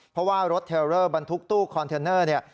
เพราะว่ารถเทลเลอร์บรรทุกตู้คอนเทนเนอร์เนี่ย